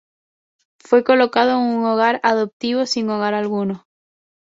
Fue colocado en un hogar adoptivo sin hogar alguno.